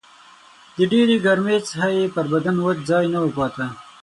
د ډېرې ګرمۍ څخه یې پر بدن وچ ځای نه و پاته